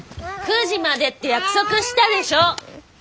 ９時までって約束したでしょ。